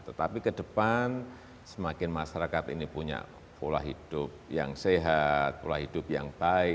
tetapi ke depan semakin masyarakat ini punya pola hidup yang sehat pola hidup yang baik